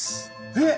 えっ！